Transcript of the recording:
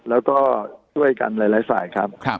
แล้วก็ช่วยกันหลายฝ่ายครับ